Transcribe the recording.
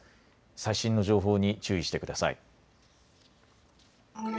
最新の情報に注意してください。